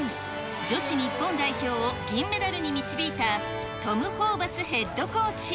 女子日本代表を銀メダルに導いたトム・ホーバスヘッドコーチ。